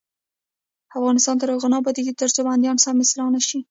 افغانستان تر هغو نه ابادیږي، ترڅو بندیان سم اصلاح نشي.